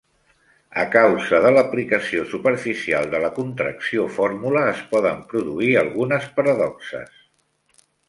A causa de l'aplicació superficial de la contracció fórmula es poden produir algunes paradoxes.